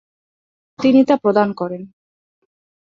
তিনি তা প্রদান করেন।